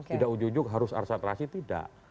tidak ujug ujug harus arsatrasi tidak